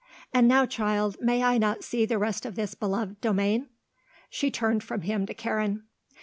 And now, child, may I not see the rest of this beloved domain?" She turned from him to Karen.